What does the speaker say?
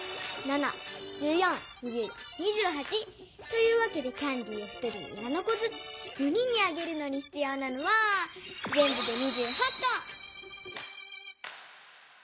７１４２１２８。というわけでキャンディーを１人に７こずつ４人にあげるのにひつようなのはぜんぶで２８こ！